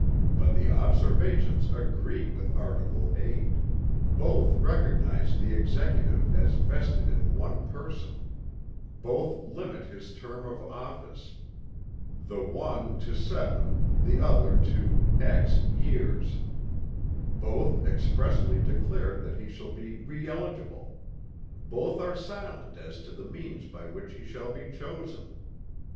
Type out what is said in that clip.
But the Observations agree with article VIII; both recognize the Executive as vested in one person; both limit his term of office, the one to seven, the other to years; both expressly declare that he shall be re eligible; both are silent as to the means by which he shall be chosen.